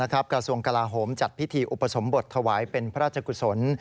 กระทรวงกลาโหมจัดพิธีอุปสมบทถวายเป็นพระราชกุศล